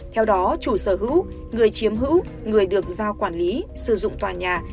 theo đó chủ sở hữu người chiếm hữu người được giao quản lý sử dụng tòa nhà